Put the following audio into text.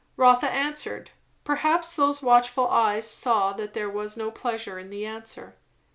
Rotha answered. Perhaps those watchful eyes saw that there was no pleasure in the answer.